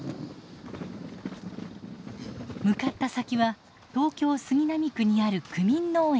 向かった先は東京・杉並区にある区民農園。